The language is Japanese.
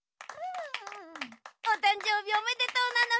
おたんじょうびおめでとうなのだ。